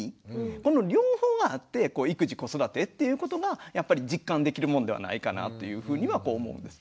この両方があって育児子育てっていうことがやっぱり実感できるものではないかなというふうには思うんです。